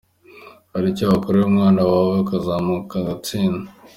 Hari icyo wakorera umwana wawe akazamuka atsinda